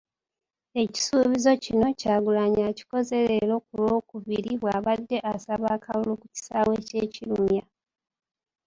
Ekisuubizo kino Kyagulanyi akikoze leero ku Lwookubiri bw'abadde asaba akalulu ku kisaawe ky'e Kirumya.